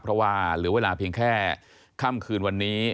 เพราะว่าเหลือเวลาเพียงแค่ค่ำคืนวันนี้